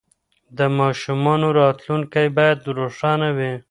د ماشومانو راتلونکې باید روښانه وي.